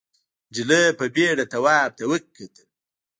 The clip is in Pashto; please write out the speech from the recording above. نجلۍ په بېره تواب ته وکتل.